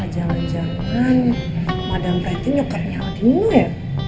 jangan jangan madang preti nyokapnya aldino ya